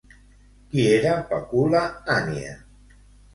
Qui era Pacul·la Annia?